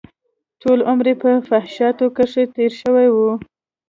ټول عمر يې په فحشاوو کښې تېر شوى و.